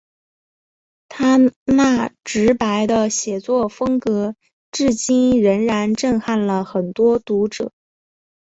他那直白的写作风格至今仍然震撼了很多读者。